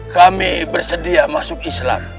kami bersedia masuk islam